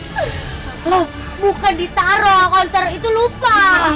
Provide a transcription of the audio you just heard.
loh bukan ditaro kalau ditaro itu lupa